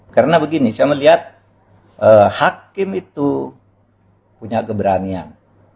karena begini saya melihat hakim itu punya keberanian